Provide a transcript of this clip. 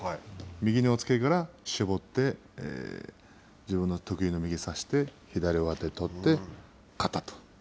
右の押っつけから絞って自分の得意の右差して左上手を取って勝ったと。